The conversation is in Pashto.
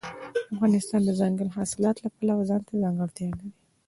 افغانستان د دځنګل حاصلات د پلوه ځانته ځانګړتیا لري.